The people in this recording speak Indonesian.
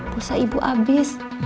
pulsa ibu abis